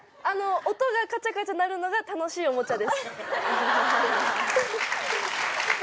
音がかちゃかちゃ鳴るのが楽しいおもちゃです。